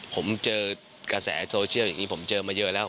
ผมเจอกระแสโซเชียลอย่างนี้ผมเจอมาเยอะแล้ว